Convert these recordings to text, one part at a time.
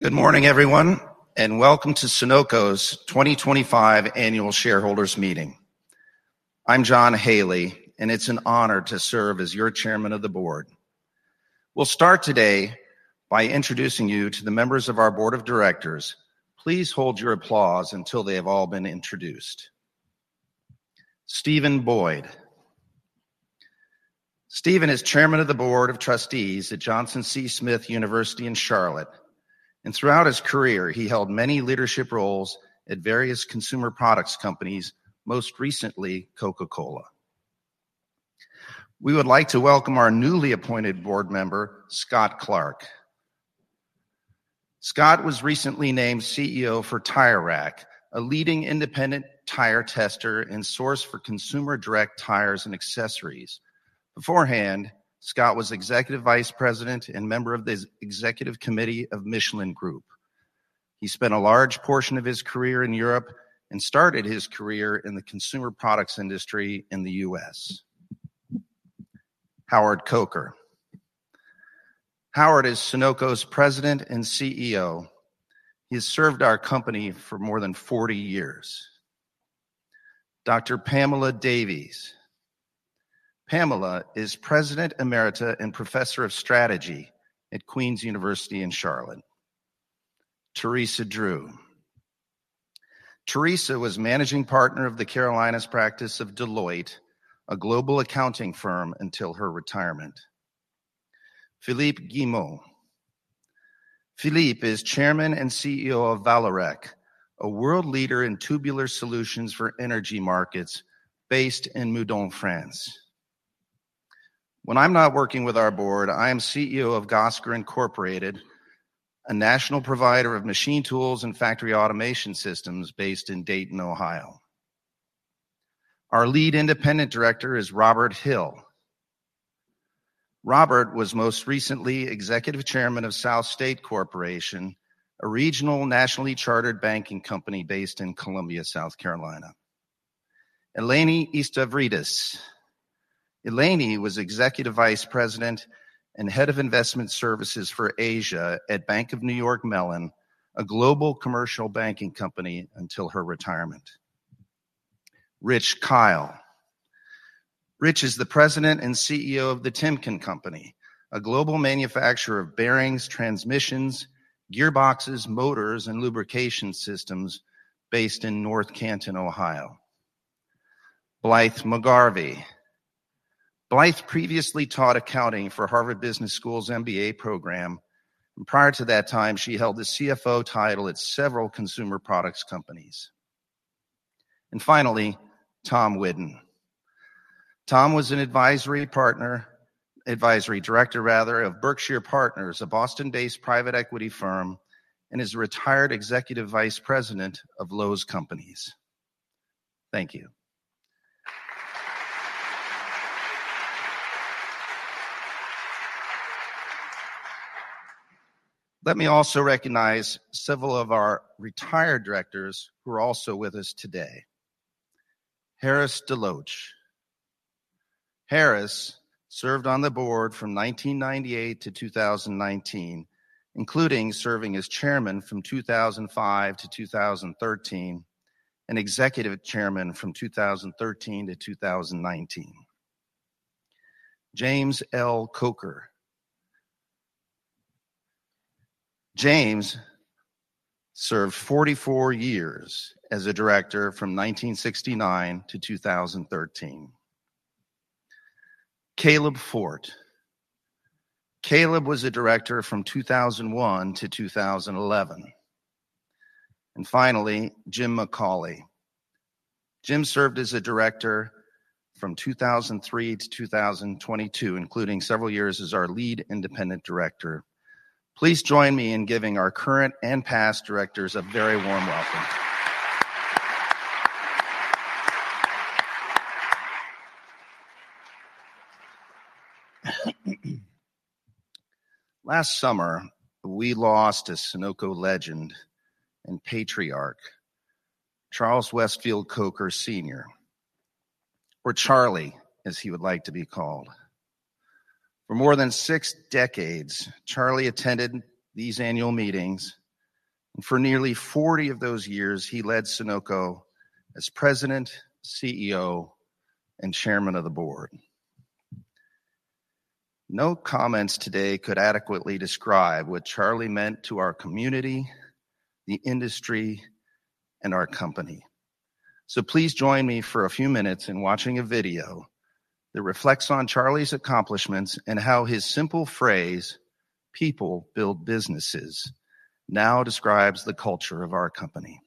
Good morning, everyone, and welcome to Sonoco's 2025 Annual Shareholders Meeting. I'm John Haley, and it's an honor to serve as your Chairman of the Board. We'll start today by introducing you to the members of our Board of Directors. Please hold your applause until they have all been introduced. Stephen Boyd. Stephen is Chairman of the Board of Trustees at Johnson C. Smith University in Charlotte, and throughout his career, he held many leadership roles at various consumer products companies, most recently Coca-Cola. We would like to welcome our newly appointed board member, Scott Clark. Scott was recently named CEO for Tire Rack, a leading independent tire tester and source for consumer direct tires and accessories. Beforehand, Scott was Executive Vice President and member of the Executive Committee of Michelin Group. He spent a large portion of his career in Europe and started his career in the consumer products industry in the U.S. Howard Coker. Howard is Sonoco's President and CEO. He has served our company for more than 40 years. Dr. Pamela Davies. Pamela is President Emerita and Professor of Strategy at Queens University in Charlotte. Teresa Drew. Teresa was Managing Partner of the Carolinas Practice of Deloitte, a global accounting firm, until her retirement. Philippe Guillemot. Philippe is Chairman and CEO of Vallourec, a world leader in tubular solutions for energy markets based in Meudon, France. When I'm not working with our board, I am CEO of Gosiger Incorporated, a national provider of machine tools and factory automation systems based in Dayton, Ohio. Our lead independent director is Robert Hill. Robert was most recently Executive Chairman of South State Corporation, a regional nationally chartered banking company based in Columbia, South Carolina. Eleni Istavridis. Eleni was Executive Vice President and Head of Investment Services for Asia at Bank of New York Mellon, a global commercial banking company, until her retirement. Rich Kyle. Rich is the President and CEO of the Timken Company, a global manufacturer of bearings, transmissions, gearboxes, motors, and lubrication systems based in North Canton, Ohio. Blythe McGarvey. Blythe previously taught accounting for Harvard Business School's MBA program, and prior to that time, she held the CFO title at several consumer products companies. Finally, Tom Whidden. Tom was an advisory partner, advisory director, rather, of Berkshire Partners, a Boston-based private equity firm, and is a retired Executive Vice President of Lowe's Companies. Thank you. Let me also recognize several of our retired directors who are also with us today. Harris DeLoach. Harris served on the board from 1998 to 2019, including serving as Chairman from 2005 to 2013 and Executive Chairman from 2013 to 2019. James L. Coker. James served 44 years as a director from 1969 to 2013. Caleb Fort. Caleb was a director from 2001 to 2011. Finally, Jim McCauley. Jim served as a director from 2003 to 2022, including several years as our lead independent director. Please join me in giving our current and past directors a very warm welcome. Last summer, we lost a Sonoco legend and patriarch, Charles Westfield Coker Sr., or Charlie, as he would like to be called. For more than six decades, Charlie attended these annual meetings, and for nearly 40 of those years, he led Sonoco as President, CEO, and Chairman of the Board. No comments today could adequately describe what Charlie meant to our community, the industry, and our company. Please join me for a few minutes in watching a video that reflects on Charlie's accomplishments and how his simple phrase, "People build businesses," now describes the culture of our company.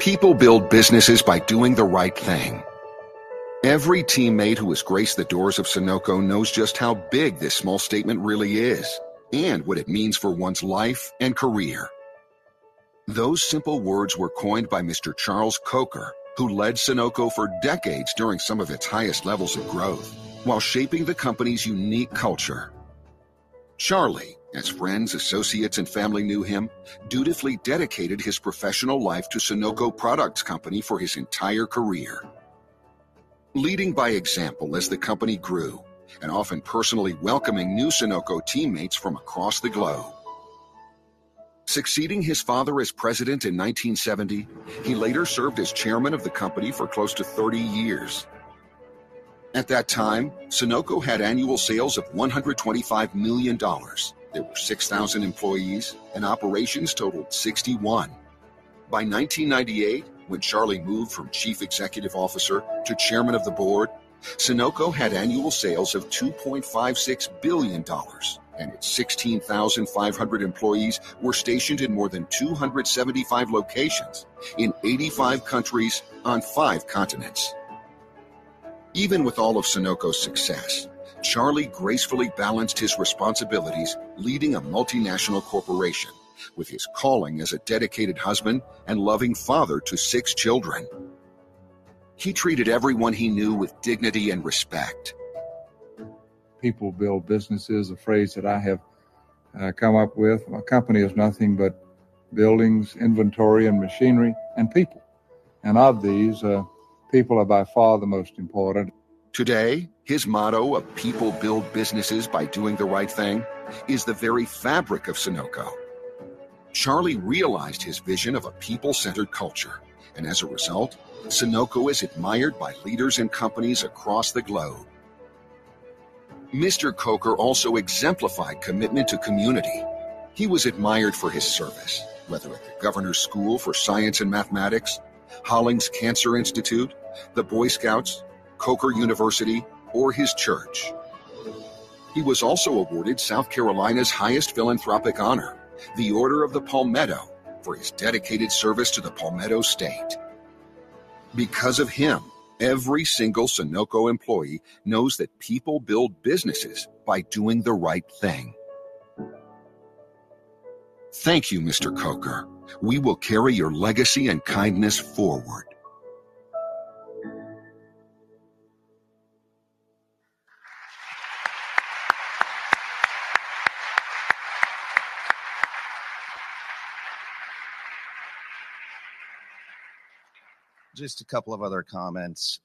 People build businesses by doing the right thing. Every teammate who has graced the doors of Sonoco knows just how big this small statement really is and what it means for one's life and career. Those simple words were coined by Mr. Charles Coker, who led Sonoco for decades during some of its highest levels of growth, while shaping the company's unique culture. Charlie, as friends, associates, and family knew him, dutifully dedicated his professional life to Sonoco Products Company for his entire career, leading by example as the company grew and often personally welcoming new Sonoco teammates from across the globe. Succeeding his father as President in 1970, he later served as Chairman of the Company for close to 30 years. At that time, Sonoco had annual sales of $125 million. There were 6,000 employees, and operations totaled 61. By 1998, when Charlie moved from Chief Executive Officer to Chairman of the Board, Sonoco had annual sales of $2.56 billion, and its 16,500 employees were stationed in more than 275 locations in 85 countries on five continents. Even with all of Sonoco's success, Charlie gracefully balanced his responsibilities leading a multinational corporation with his calling as a dedicated husband and loving father to six children. He treated everyone he knew with dignity and respect. People build businesses, a phrase that I have come up with. My company is nothing but buildings, inventory, and machinery, and people. Of these, people are by far the most important. Today, his motto of "People build businesses by doing the right thing" is the very fabric of Sonoco. Charlie realized his vision of a people-centered culture, and as a result, Sonoco is admired by leaders and companies across the globe. Mr. Coker also exemplified commitment to community. He was admired for his service, whether at the Governor's School for Science and Mathematics, Hollings Cancer Institute, the Boy Scouts, Coker University, or his church. He was also awarded South Carolina's highest philanthropic honor, the Order of the Palmetto, for his dedicated service to the Palmetto State. Because of him, every single Sonoco employee knows that people build businesses by doing the right thing. Thank you, Mr. Coker. We will carry your legacy and kindness forward. Just a couple of other comments.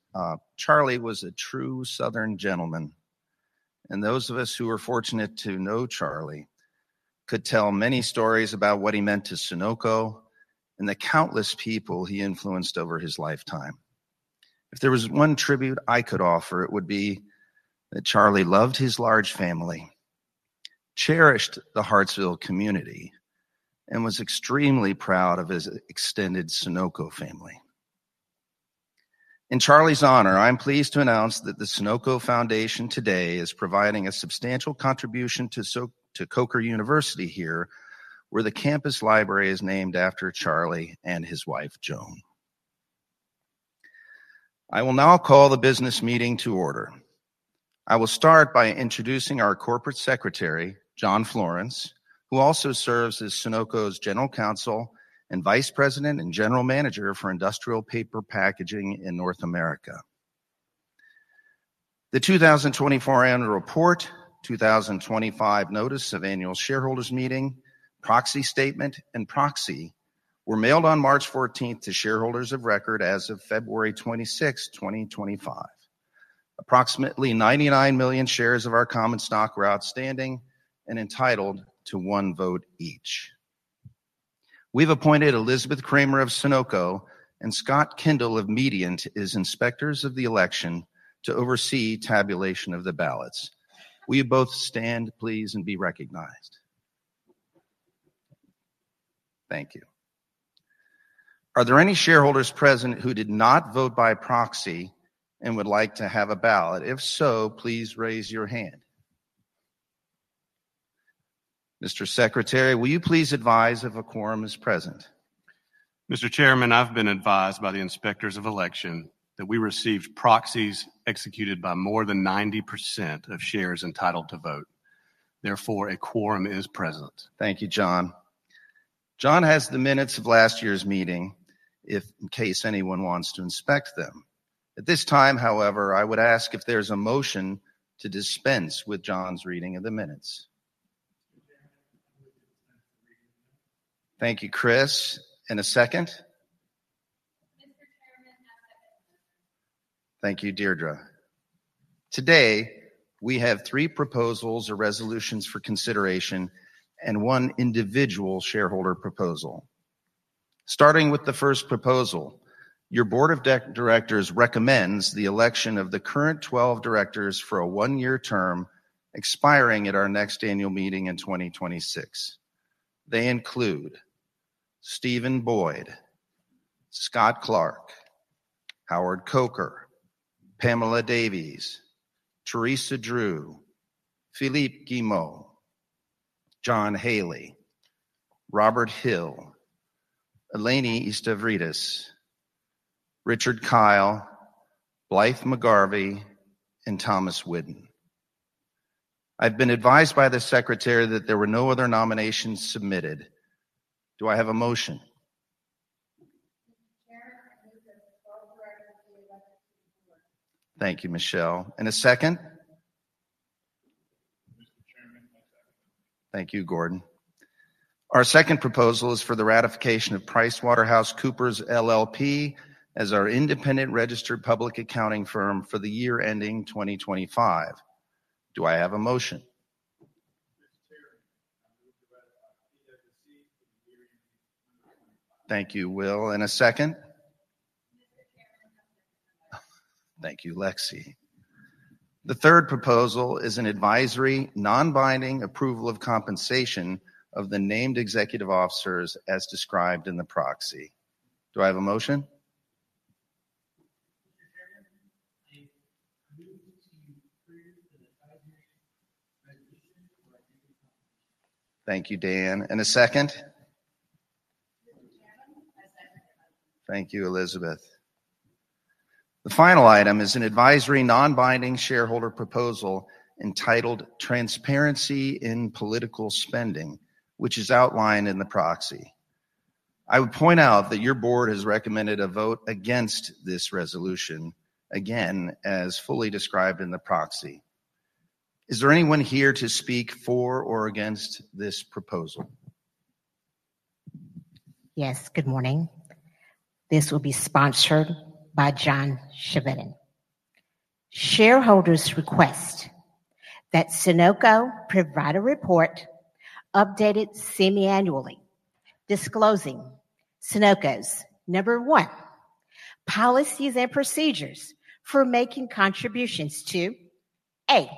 Charlie was a true Southern gentleman, and those of us who were fortunate to know Charlie could tell many stories about what he meant to Sonoco and the countless people he influenced over his lifetime. If there was one tribute I could offer, it would be that Charlie loved his large family, cherished the Hartsville community, and was extremely proud of his extended Sonoco family. In Charlie's honor, I'm pleased to announce that the Sonoco Foundation today is providing a substantial contribution to Coker University here, where the campus library is named after Charlie and his wife, Joan. I will now call the business meeting to order. I will start by introducing our Corporate Secretary, John Florence, who also serves as Sonoco's General Counsel and Vice President and General Manager for Industrial Paper Packaging in North America. The 2024 Annual Report, 2025 Notice of Annual Shareholders Meeting, Proxy Statement, and Proxy were mailed on March 14th to shareholders of record as of February 26th, 2025. Approximately 99 million shares of our common stock were outstanding and entitled to one vote each. We've appointed Elizabeth Kramer of Sonoco and Scott Kindle of Mediant as inspectors of the election to oversee tabulation of the ballots. Will you both stand, please, and be recognized? Thank you. Are there any shareholders present who did not vote by proxy and would like to have a ballot? If so, please raise your hand. Mr. Secretary, will you please advise if a quorum is present? Mr. Chairman, I've been advised by the inspectors of election that we received proxies executed by more than 90% of shares entitled to vote. Therefore, a quorum is present. Thank you, John. John has the minutes of last year's meeting in case anyone wants to inspect them. At this time, however, I would ask if there's a motion to dispense with John's reading of the minutes. Thank you, Chris. And a second? Mr. Chairman, I'll second the motion. Thank you, Deirdre. Today, we have three proposals or resolutions for consideration and one individual shareholder proposal. Starting with the first proposal, your Board of Directors recommends the election of the current 12 directors for a one-year term expiring at our next annual meeting in 2026. They include Stephen Boyd, Scott Clark, Howard Coker, Pamela Davies, Teresa Drew, Philippe Guillemot, John Haley, Robert Hill, Eleni Istavridis, Richard Kyle, Blythe McGarvey, and Thomas Whidden. I've been advised by the Secretary that there were no other nominations submitted. Do I have a motion? Mr. Chairman, we move the 12 directors to be elected to the board. Thank you, Michelle. A second? Mr. Chairman, I second. Thank you, Gordon. Our second proposal is for the ratification of PricewaterhouseCoopers LLP as our independent registered public accounting firm for the year ending 2025. Do I have a motion? Mr. Chairman, I move to ratify the PwC for the year ending 2025. Thank you, Will. A second? Mr. Chairman, I'll second the motion. Thank you, Lexi. The third proposal is an advisory, non-binding approval of compensation of the named executive officers as described in the proxy. Do I have a motion? Mr. Chairman, I move to approve the advisory resolution for executive compensation. Thank you, Dan. A second? Mr. Chairman, I second the motion. Thank you, Elizabeth. The final item is an advisory, non-binding shareholder proposal entitled "Transparency in Political Spending," which is outlined in the proxy. I would point out that your board has recommended a vote against this resolution, again, as fully described in the proxy. Is there anyone here to speak for or against this proposal? Yes, good morning. This will be sponsored by John Chevedden. Shareholders request that Sonoco provide a report updated semi-annually, disclosing Sonoco's, number one, policies and procedures for making contributions to, A,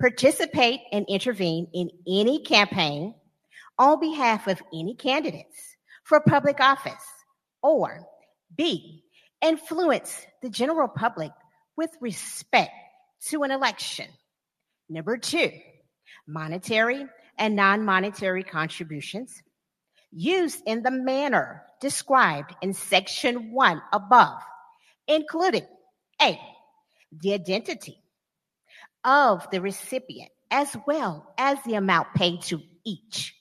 participate and intervene in any campaign on behalf of any candidates for public office, or B, influence the general public with respect to an election. Number two, monetary and non-monetary contributions used in the manner described in Section One above, including, A, the identity of the recipient, as well as the amount paid to each,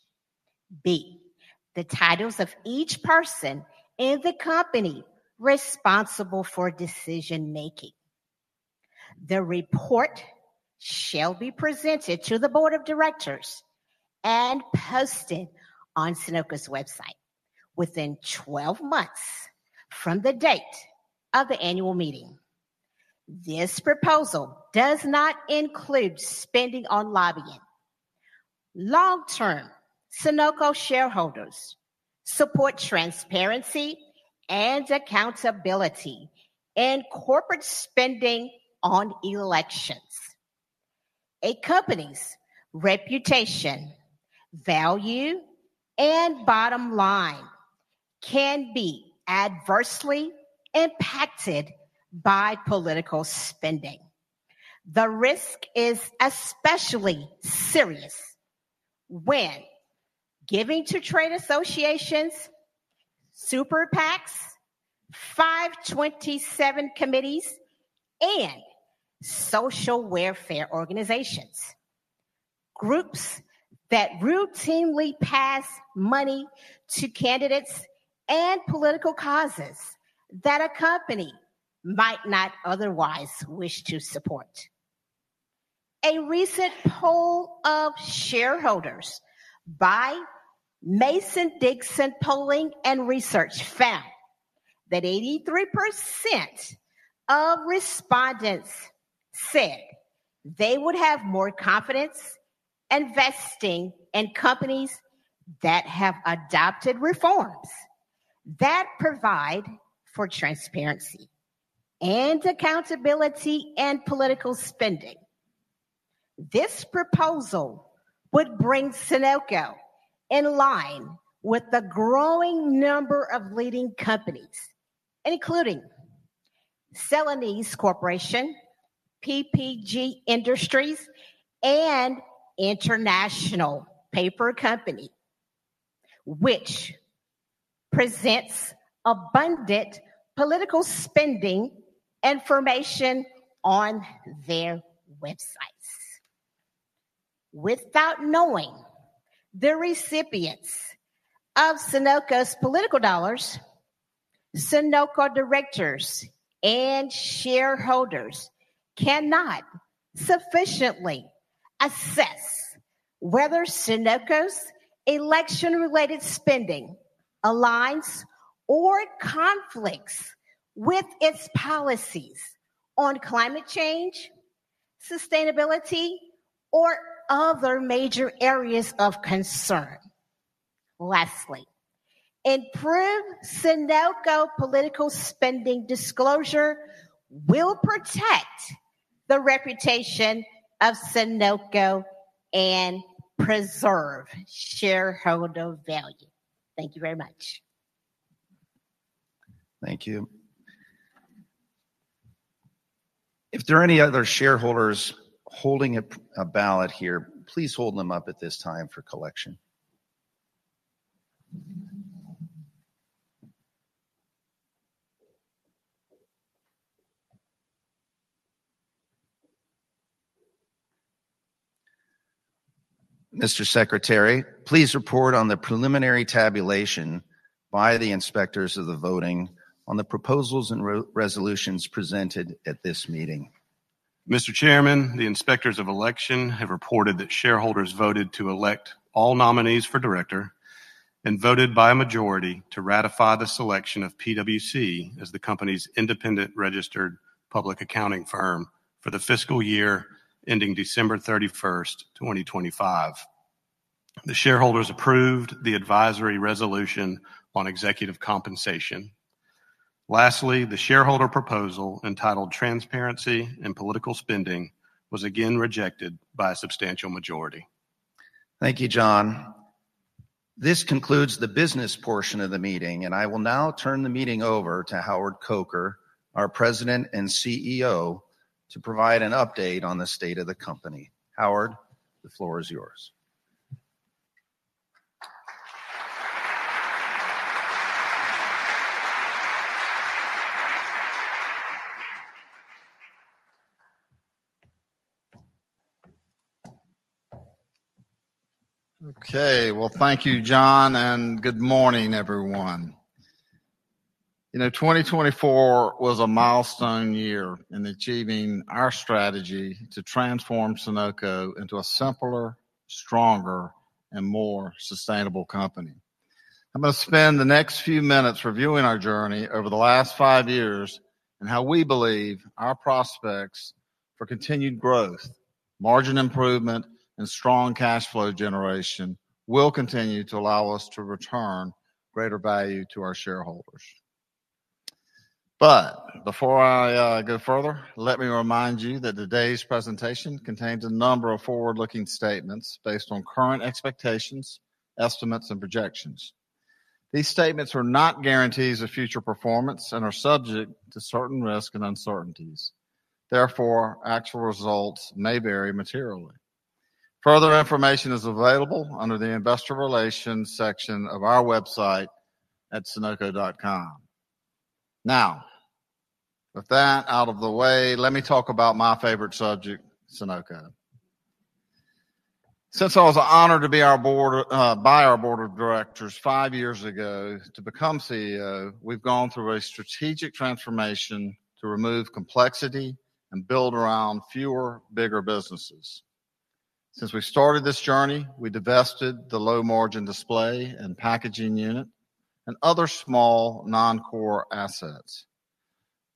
B, the titles of each person in the company responsible for decision-making. The report shall be presented to the Board of Directors and posted on Sonoco's website within 12 months from the date of the annual meeting. This proposal does not include spending on lobbying. Long-term, Sonoco shareholders support transparency and accountability in corporate spending on elections. A company's reputation, value, and bottom line can be adversely impacted by political spending. The risk is especially serious when giving to trade associations, super PACs, 527 committees, and social welfare organizations, groups that routinely pass money to candidates and political causes that a company might not otherwise wish to support. A recent poll of shareholders by Mason-Dixon Polling and Research found that 83% of respondents said they would have more confidence investing in companies that have adopted reforms that provide for transparency and accountability in political spending. This proposal would bring Sonoco in line with the growing number of leading companies, including Celanese Corporation, PPG Industries, and International Paper Company, which presents abundant political spending information on their websites. Without knowing the recipients of Sonoco's political dollars, Sonoco directors and shareholders cannot sufficiently assess whether Sonoco's election-related spending aligns or conflicts with its policies on climate change, sustainability, or other major areas of concern. Lastly, improved Sonoco political spending disclosure will protect the reputation of Sonoco and preserve shareholder value. Thank you very much. Thank you. If there are any other shareholders holding a ballot here, please hold them up at this time for collection. Mr. Secretary, please report on the preliminary tabulation by the inspectors of the voting on the proposals and resolutions presented at this meeting. Mr. Chairman, the inspectors of election have reported that shareholders voted to elect all nominees for director and voted by a majority to ratify the selection of PricewaterhouseCoopers LLP as the company's independent registered public accounting firm for the fiscal year ending December 31, 2025. The shareholders approved the advisory resolution on executive compensation. Lastly, the shareholder proposal entitled "Transparency in Political Spending" was again rejected by a substantial majority. Thank you, John. This concludes the business portion of the meeting, and I will now turn the meeting over to Howard Coker, our President and CEO, to provide an update on the state of the company. Howard, the floor is yours. Okay, thank you, John, and good morning, everyone. You know, 2024 was a milestone year in achieving our strategy to transform Sonoco into a simpler, stronger, and more sustainable company. I'm going to spend the next few minutes reviewing our journey over the last five years and how we believe our prospects for continued growth, margin improvement, and strong cash flow generation will continue to allow us to return greater value to our shareholders. Before I go further, let me remind you that today's presentation contains a number of forward-looking statements based on current expectations, estimates, and projections. These statements are not guarantees of future performance and are subject to certain risks and uncertainties. Therefore, actual results may vary materially. Further information is available under the investor relations section of our website at sonoco.com. Now, with that out of the way, let me talk about my favorite subject, Sonoco. Since I was honored to be by our board of directors five years ago to become CEO, we've gone through a strategic transformation to remove complexity and build around fewer, bigger businesses. Since we started this journey, we divested the low-margin display and packaging unit and other small non-core assets.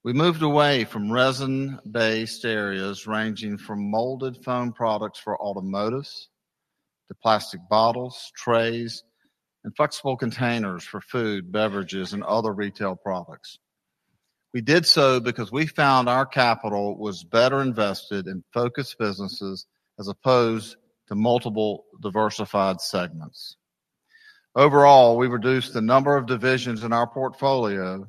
We moved away from resin-based areas ranging from molded foam products for automotives to plastic bottles, trays, and flexible containers for food, beverages, and other retail products. We did so because we found our capital was better invested in focused businesses as opposed to multiple diversified segments. Overall, we reduced the number of divisions in our portfolio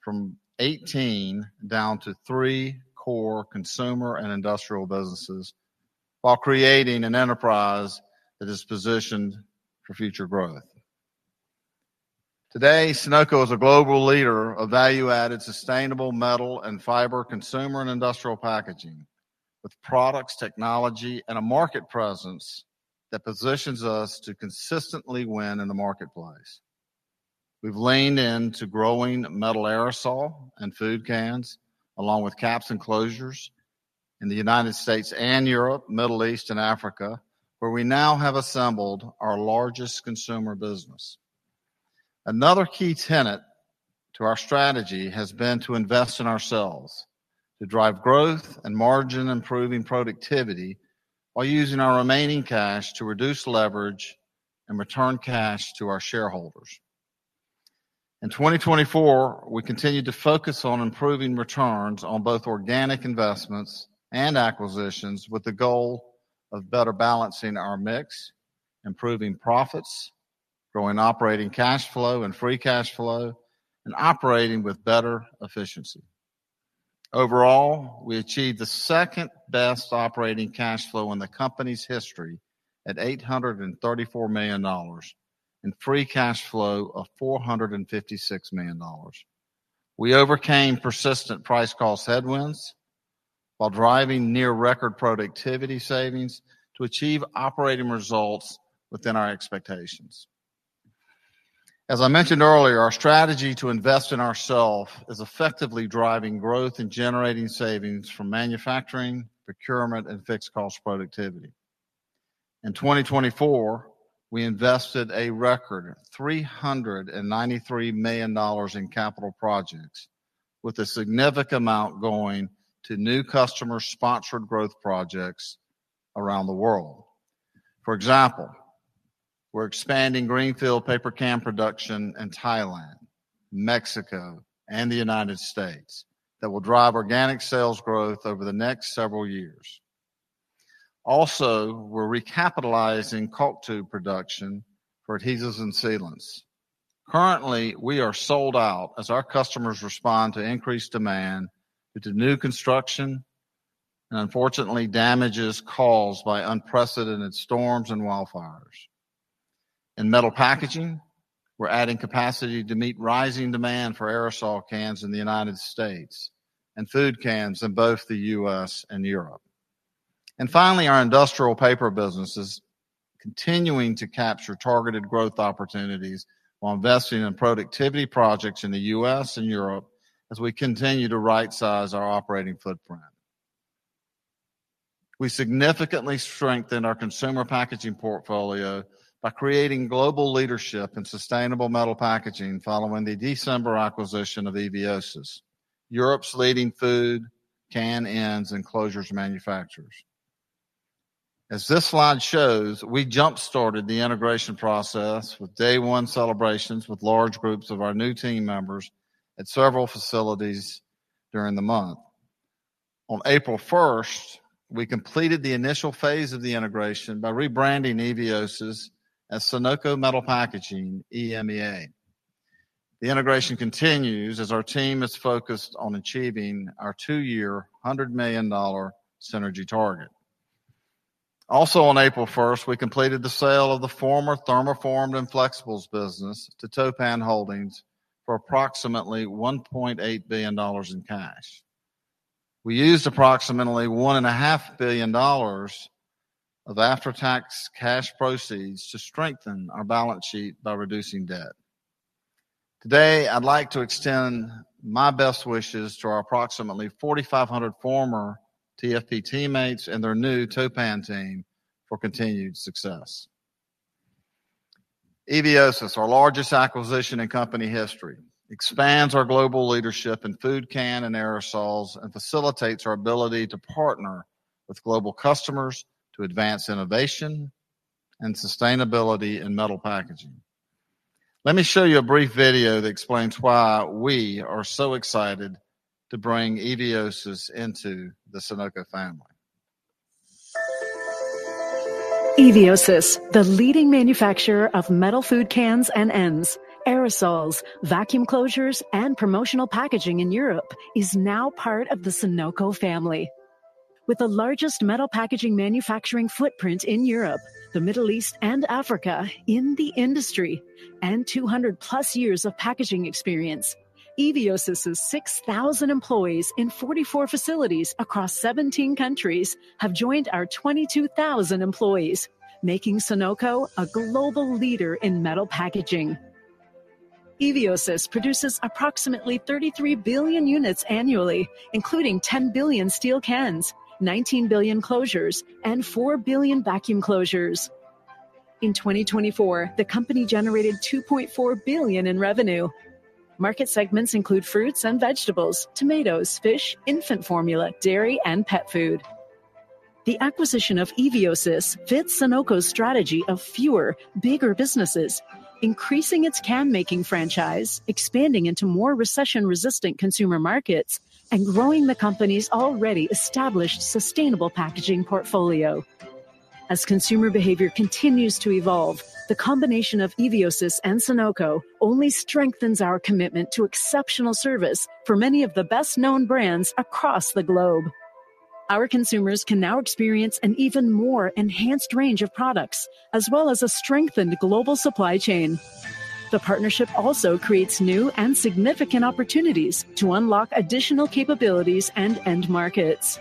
from 18 down to three core consumer and industrial businesses while creating an enterprise that is positioned for future growth. Today, Sonoco is a global leader of value-added sustainable metal and fiber consumer and industrial packaging with products, technology, and a market presence that positions us to consistently win in the marketplace. We've leaned into growing metal aerosol and food cans along with caps and closures in the United States and Europe, Middle East, and Africa, where we now have assembled our largest consumer business. Another key tenet to our strategy has been to invest in ourselves to drive growth and margin-improving productivity while using our remaining cash to reduce leverage and return cash to our shareholders. In 2024, we continued to focus on improving returns on both organic investments and acquisitions with the goal of better balancing our mix, improving profits, growing operating cash flow and free cash flow, and operating with better efficiency. Overall, we achieved the second-best operating cash flow in the company's history at $834 million and free cash flow of $456 million. We overcame persistent price-cost headwinds while driving near-record productivity savings to achieve operating results within our expectations. As I mentioned earlier, our strategy to invest in ourselves is effectively driving growth and generating savings from manufacturing, procurement, and fixed-cost productivity. In 2024, we invested a record $393 million in capital projects, with a significant amount going to new customer-sponsored growth projects around the world. For example, we're expanding greenfield paper can production in Thailand, Mexico, and the U.S. that will drive organic sales growth over the next several years. Also, we're recapitalizing caulk tube production for adhesives and sealants. Currently, we are sold out as our customers respond to increased demand due to new construction and, unfortunately, damages caused by unprecedented storms and wildfires. In metal packaging, we're adding capacity to meet rising demand for aerosol cans in the U.S. and food cans in both the U.S. and Europe. Finally, our industrial paper business is continuing to capture targeted growth opportunities while investing in productivity projects in the U.S. and Europe as we continue to right-size our operating footprint. We significantly strengthened our consumer packaging portfolio by creating global leadership in sustainable metal packaging following the December acquisition of Eviosys, Europe's leading food can, ends, and closures manufacturer. As this slide shows, we jump-started the integration process with day-one celebrations with large groups of our new team members at several facilities during the month. On April 1, we completed the initial phase of the integration by rebranding Eviosys as Sonoco Metal Packaging, EMEA. The integration continues as our team is focused on achieving our two-year $100 million synergy target. Also, on April 1st, we completed the sale of the former Thermoformed and Flexibles business to Toppan Holdings for approximately $1.8 billion in cash. We used approximately $1.5 billion of after-tax cash proceeds to strengthen our balance sheet by reducing debt. Today, I'd like to extend my best wishes to our approximately 4,500 former TFP teammates and their new Topan team for continued success. Eviosys, our largest acquisition in company history, expands our global leadership in food can and aerosols and facilitates our ability to partner with global customers to advance innovation and sustainability in metal packaging. Let me show you a brief video that explains why we are so excited to bring Eviosys into the Sonoco family. Eviosys, the leading manufacturer of metal food cans and ends, aerosols, vacuum closures, and promotional packaging in Europe, is now part of the Sonoco family. With the largest metal packaging manufacturing footprint in Europe, the Middle East, and Africa in the industry, and 200-plus years of packaging experience, Eviosys's 6,000 employees in 44 facilities across 17 countries have joined our 22,000 employees, making Sonoco a global leader in metal packaging. Eviosys produces approximately 33 billion units annually, including 10 billion steel cans, 19 billion closures, and 4 billion vacuum closures. In 2024, the company generated $2.4 billion in revenue. Market segments include fruits and vegetables, tomatoes, fish, infant formula, dairy, and pet food. The acquisition of Eviosys fits Sonoco's strategy of fewer, bigger businesses, increasing its can-making franchise, expanding into more recession-resistant consumer markets, and growing the company's already established sustainable packaging portfolio. As consumer behavior continues to evolve, the combination of Eviosys and Sonoco only strengthens our commitment to exceptional service for many of the best-known brands across the globe. Our consumers can now experience an even more enhanced range of products, as well as a strengthened global supply chain. The partnership also creates new and significant opportunities to unlock additional capabilities and end markets.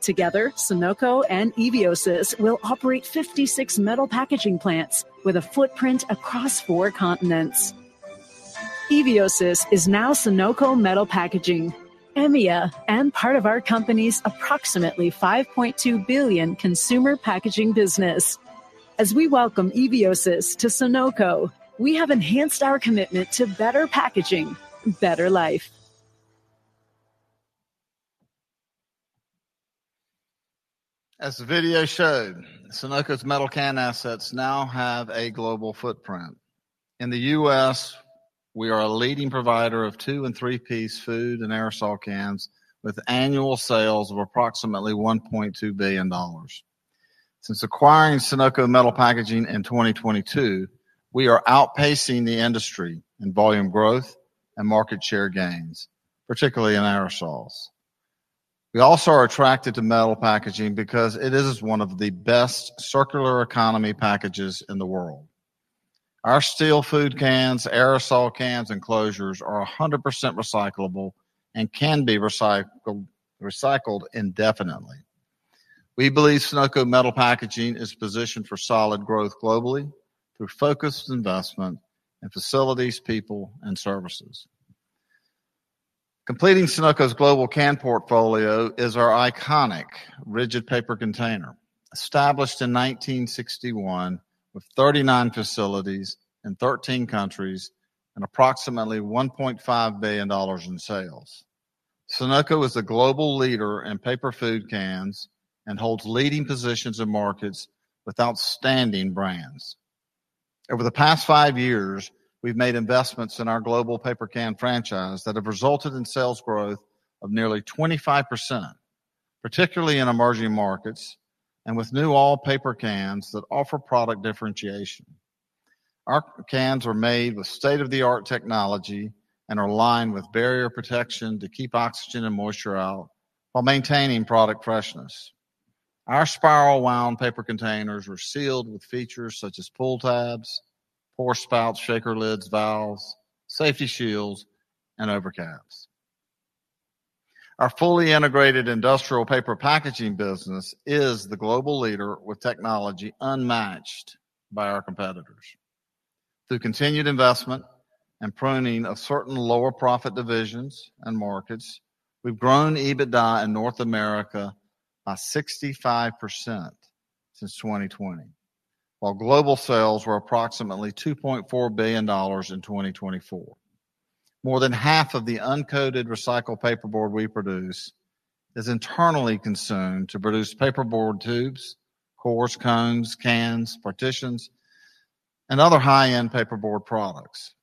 Together, Sonoco and Eviosys will operate 56 metal packaging plants with a footprint across four continents. Eviosys is now Sonoco Metal Packaging, EMEA, and part of our company's approximately $5.2 billion consumer packaging business. As we welcome Eviosys to Sonoco, we have enhanced our commitment to better packaging, better life. As the video showed, Sonoco's metal can assets now have a global footprint. In the U.S., we are a leading provider of two and three-piece food and aerosol cans with annual sales of approximately $1.2 billion. Since acquiring Sonoco Metal Packaging in 2022, we are outpacing the industry in volume growth and market share gains, particularly in aerosols. We also are attracted to metal packaging because it is one of the best circular economy packages in the world. Our steel food cans, aerosol cans, and closures are 100% recyclable and can be recycled indefinitely. We believe Sonoco Metal Packaging is positioned for solid growth globally through focused investment in facilities, people, and services. Completing Sonoco's global can portfolio is our iconic rigid paper container, established in 1961 with 39 facilities in 13 countries and approximately $1.5 billion in sales. Sonoco is a global leader in paper food cans and holds leading positions in markets with outstanding brands. Over the past five years, we've made investments in our global paper can franchise that have resulted in sales growth of nearly 25%, particularly in emerging markets and with new all-paper cans that offer product differentiation. Our cans are made with state-of-the-art technology and are lined with barrier protection to keep oxygen and moisture out while maintaining product freshness. Our spiral-wound paper containers are sealed with features such as pull tabs, pour spouts, shaker lids, valves, safety shields, and overcaps. Our fully integrated industrial paper packaging business is the global leader with technology unmatched by our competitors. Through continued investment and pruning of certain lower-profit divisions and markets, we've grown EBITDA in North America by 65% since 2020, while global sales were approximately $2.4 billion in 2024. More than half of the uncoated recycled paperboard we produce is internally consumed to produce paperboard tubes, cores, cones, cans, partitions, and other high-end paperboard products.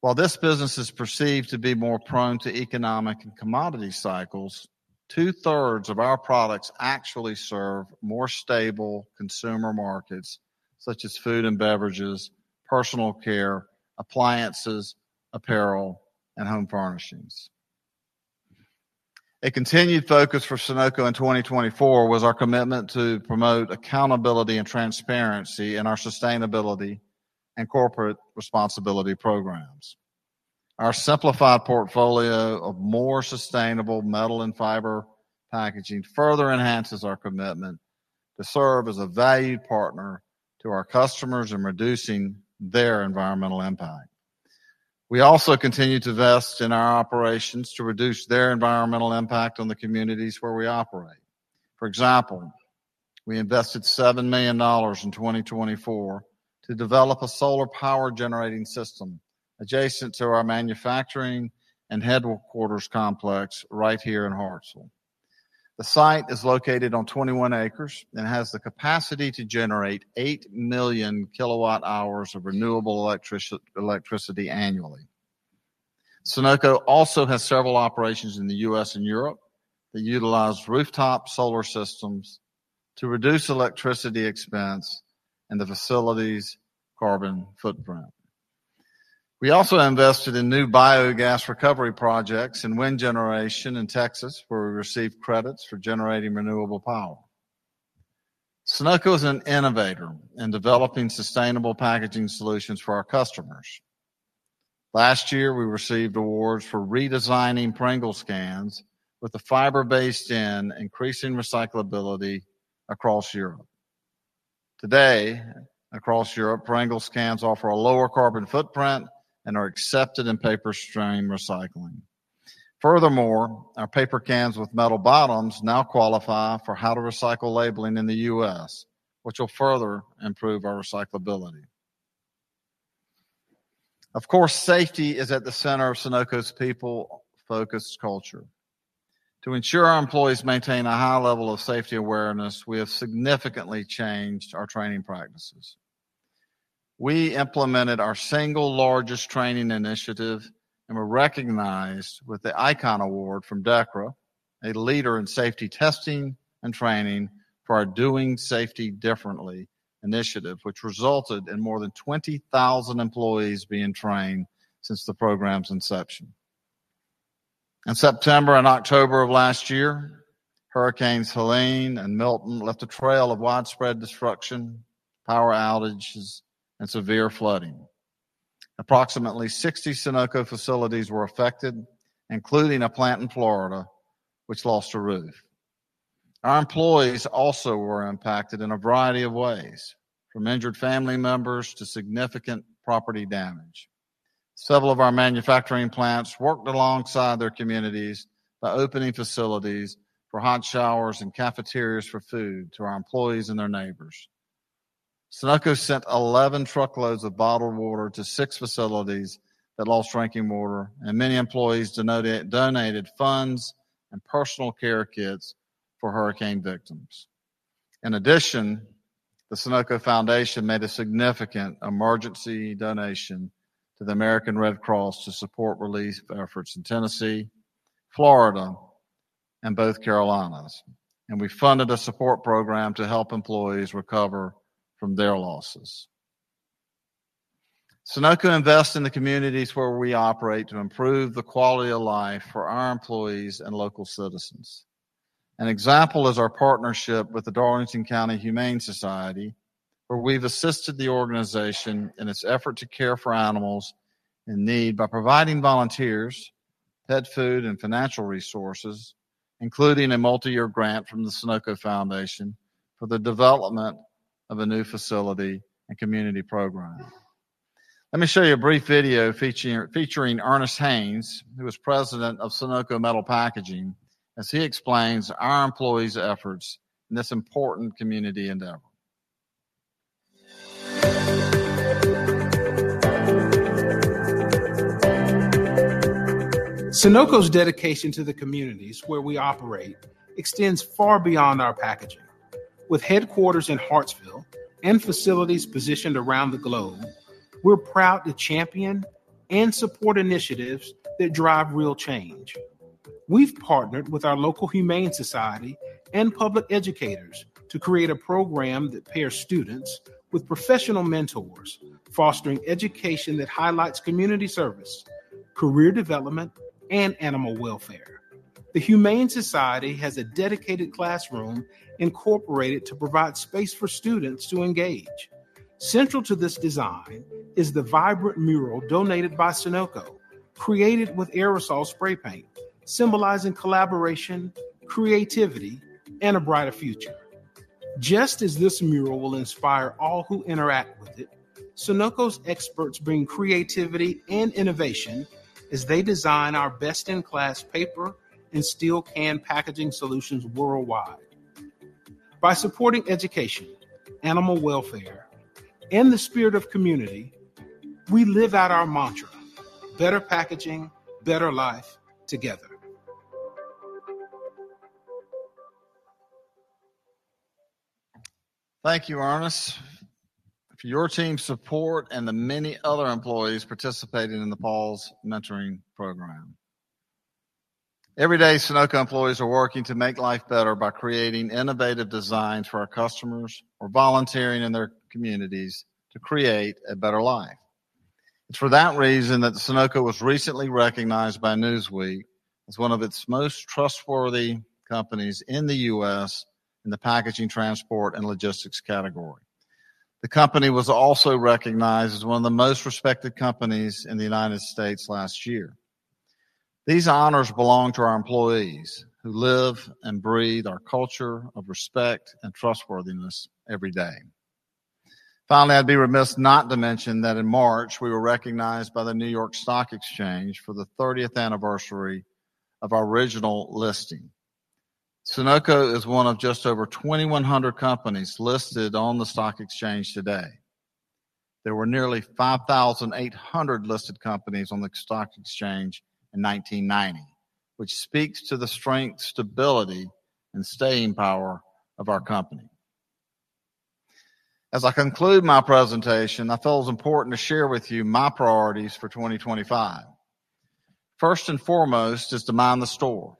While this business is perceived to be more prone to economic and commodity cycles, two-thirds of our products actually serve more stable consumer markets such as food and beverages, personal care, appliances, apparel, and home furnishings. A continued focus for Sonoco in 2024 was our commitment to promote accountability and transparency in our sustainability and corporate responsibility programs. Our simplified portfolio of more sustainable metal and fiber packaging further enhances our commitment to serve as a valued partner to our customers in reducing their environmental impact. We also continue to invest in our operations to reduce their environmental impact on the communities where we operate. For example, we invested $7 million in 2024 to develop a solar power-generating system adjacent to our manufacturing and headquarters complex right here in Hartsville. The site is located on 21 acres and has the capacity to generate 8 million kilowatt-hours of renewable electricity annually. Sonoco also has several operations in the U.S. and Europe that utilize rooftop solar systems to reduce electricity expense and the facility's carbon footprint. We also invested in new biogas recovery projects and wind generation in Texas where we received credits for generating renewable power. Sonoco is an innovator in developing sustainable packaging solutions for our customers. Last year, we received awards for redesigning Pringles cans with a fiber-based end, increasing recyclability across Europe. Today, across Europe, Pringles cans offer a lower carbon footprint and are accepted in paper-stream recycling. Furthermore, our paper cans with metal bottoms now qualify for how-to-recycle labeling in the U.S., which will further improve our recyclability. Of course, safety is at the center of Sonoco's people-focused culture. To ensure our employees maintain a high level of safety awareness, we have significantly changed our training practices. We implemented our single largest training initiative and were recognized with the Icon Award from DEKRA, a leader in safety testing and training for our Doing Safety Differently initiative, which resulted in more than 20,000 employees being trained since the program's inception. In September and October of last year, Hurricanes Helene and Milton left a trail of widespread destruction, power outages, and severe flooding. Approximately 60 Sonoco facilities were affected, including a plant in Florida, which lost a roof. Our employees also were impacted in a variety of ways, from injured family members to significant property damage. Several of our manufacturing plants worked alongside their communities by opening facilities for hot showers and cafeterias for food to our employees and their neighbors. Sonoco sent 11 truckloads of bottled water to six facilities that lost drinking water, and many employees donated funds and personal care kits for hurricane victims. In addition, the Sonoco Foundation made a significant emergency donation to the American Red Cross to support relief efforts in Tennessee, Florida, and both Carolinas, and we funded a support program to help employees recover from their losses. Sonoco invests in the communities where we operate to improve the quality of life for our employees and local citizens. An example is our partnership with the Darlington County Humane Society, where we've assisted the organization in its effort to care for animals in need by providing volunteers, pet food, and financial resources, including a multi-year grant from the Sonoco Foundation for the development of a new facility and community program. Let me show you a brief video featuring Ernest Haynes, who is President of Sonoco Metal Packaging, as he explains our employees' efforts in this important community endeavor. Sonoco's dedication to the communities where we operate extends far beyond our packaging. With headquarters in Hartsville and facilities positioned around the globe, we're proud to champion and support initiatives that drive real change. We've partnered with our local Humane Society and public educators to create a program that pairs students with professional mentors, fostering education that highlights community service, career development, and animal welfare. The Humane Society has a dedicated classroom incorporated to provide space for students to engage. Central to this design is the vibrant mural donated by Sonoco, created with aerosol spray paint, symbolizing collaboration, creativity, and a brighter future. Just as this mural will inspire all who interact with it, Sonoco's experts bring creativity and innovation as they design our best-in-class paper and steel can packaging solutions worldwide. By supporting education, animal welfare, and the spirit of community, we live out our mantra: better packaging, better life together. Thank you, Ernest, for your team's support and the many other employees participating in the Paws Mentoring Program. Every day, Sonoco employees are working to make life better by creating innovative designs for our customers or volunteering in their communities to create a better life. It's for that reason that Sonoco was recently recognized by Newsweek as one of its most trustworthy companies in the U.S. in the packaging, transport, and logistics category. The company was also recognized as one of the most respected companies in the United States last year. These honors belong to our employees who live and breathe our culture of respect and trustworthiness every day. Finally, I'd be remiss not to mention that in March, we were recognized by the New York Stock Exchange for the 30th anniversary of our original listing. Sonoco is one of just over 2,100 companies listed on the stock exchange today. There were nearly 5,800 listed companies on the stock exchange in 1990, which speaks to the strength, stability, and staying power of our company. As I conclude my presentation, I felt it was important to share with you my priorities for 2025. First and foremost is to mind the store,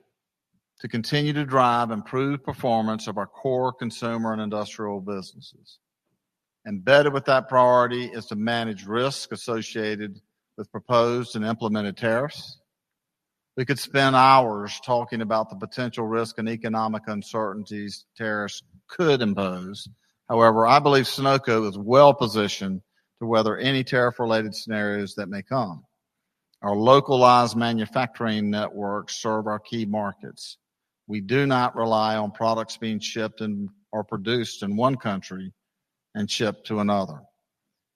to continue to drive improved performance of our core consumer and industrial businesses. Embedded with that priority is to manage risk associated with proposed and implemented tariffs. We could spend hours talking about the potential risk and economic uncertainties tariffs could impose. However, I believe Sonoco is well-positioned to weather any tariff-related scenarios that may come. Our localized manufacturing networks serve our key markets. We do not rely on products being shipped and/or produced in one country and shipped to another.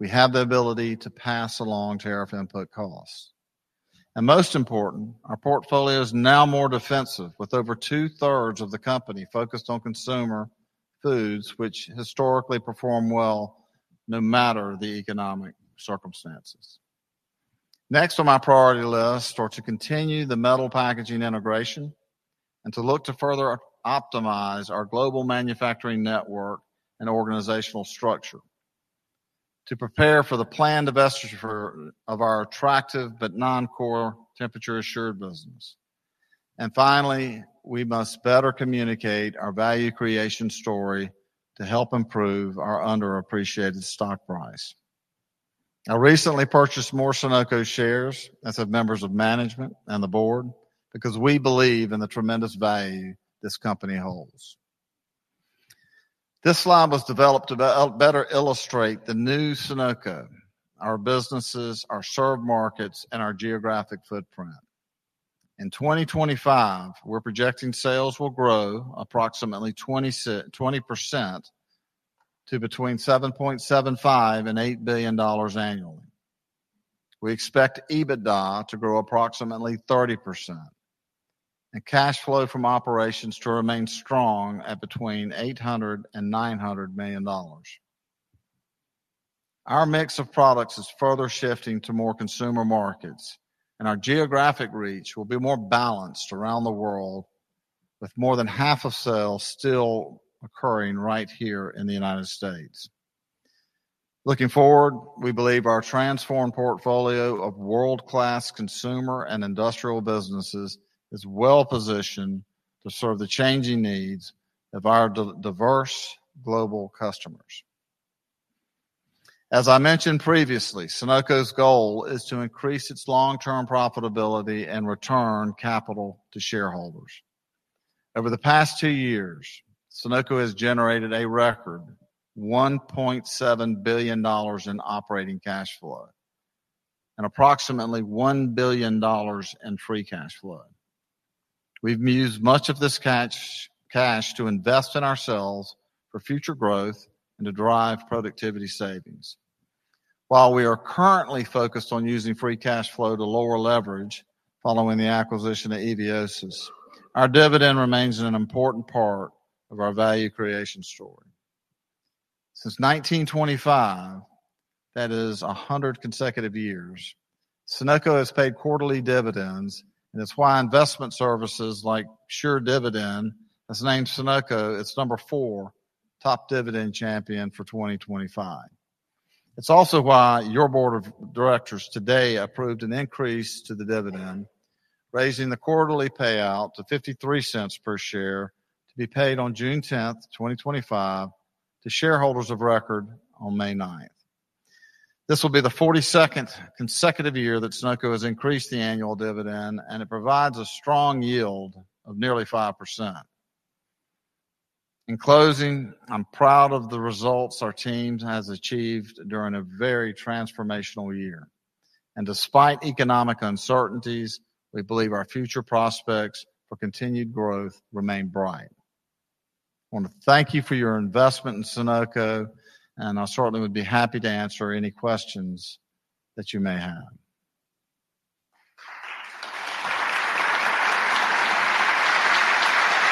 We have the ability to pass along tariff input costs. Most important, our portfolio is now more defensive, with over two-thirds of the company focused on consumer foods, which historically perform well no matter the economic circumstances. Next on my priority list are to continue the metal packaging integration and to look to further optimize our global manufacturing network and organizational structure to prepare for the planned divestiture of our attractive but non-core temperature-assured business. Finally, we must better communicate our value creation story to help improve our underappreciated stock price. I recently purchased more Sonoco shares as members of management and the board because we believe in the tremendous value this company holds. This slide was developed to better illustrate the new Sonoco, our businesses, our served markets, and our geographic footprint. In 2025, we're projecting sales will grow approximately 20% to between $7.75 billion and $8 billion annually. We expect EBITDA to grow approximately 30% and cash flow from operations to remain strong at between $800 million and $900 million. Our mix of products is further shifting to more consumer markets, and our geographic reach will be more balanced around the world, with more than half of sales still occurring right here in the United States. Looking forward, we believe our transformed portfolio of world-class consumer and industrial businesses is well-positioned to serve the changing needs of our diverse global customers. As I mentioned previously, Sonoco's goal is to increase its long-term profitability and return capital to shareholders. Over the past two years, Sonoco has generated a record $1.7 billion in operating cash flow and approximately $1 billion in free cash flow. We've used much of this cash to invest in ourselves for future growth and to drive productivity savings. While we are currently focused on using free cash flow to lower leverage following the acquisition of Eviosys, our dividend remains an important part of our value creation story. Since 1925, that is 100 consecutive years, Sonoco has paid quarterly dividends, and it's why investment services like Sure Dividend has named Sonoco its number four top dividend champion for 2025. It's also why your board of directors today approved an increase to the dividend, raising the quarterly payout to $0.53 per share to be paid on June 10th, 2025, to shareholders of record on May 9th. This will be the 42nd consecutive year that Sonoco has increased the annual dividend, and it provides a strong yield of nearly 5%. In closing, I'm proud of the results our team has achieved during a very transformational year. Despite economic uncertainties, we believe our future prospects for continued growth remain bright. I want to thank you for your investment in Sonoco, and I certainly would be happy to answer any questions that you may have.